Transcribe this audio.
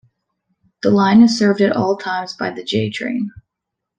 The line is served at all times by the J train.